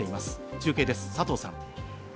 中継です、佐藤さん。